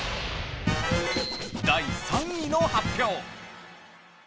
第３位の発表。